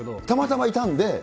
たまたまいたんで。